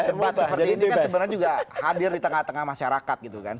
debat seperti ini kan sebenarnya juga hadir di tengah tengah masyarakat gitu kan